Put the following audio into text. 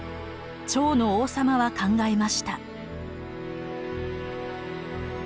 趙の王様は考えました。